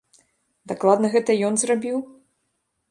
Дакладна гэта ён зрабіў?